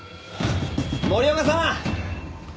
森岡さん！